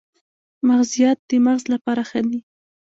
مغزيات د مغز لپاره ښه دي